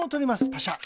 パシャ。